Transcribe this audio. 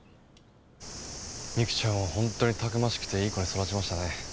未玖ちゃんは本当にたくましくていい子に育ちましたね。